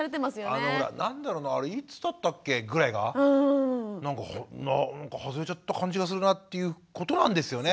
あのほら何だろないつだったっけ？ぐらいがなんか外れちゃった感じがするなっていうことなんですよね。